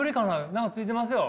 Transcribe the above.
何かついてますよ。